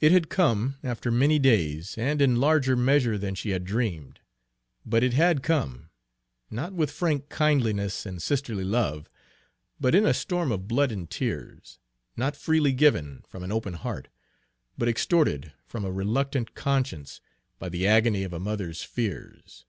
It had come, after many days, and in larger measure than she had dreamed; but it had come, not with frank kindliness and sisterly love, but in a storm of blood and tears; not freely given, from an open heart, but extorted from a reluctant conscience by the agony of a mother's fears.